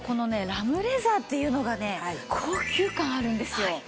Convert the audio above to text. ラムレザーっていうのがね高級感あるんですよ。